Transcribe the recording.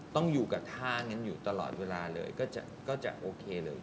ต้องอยู่กับท่านั้นอยู่ตลอดเวลาเลยก็จะโอเคเลย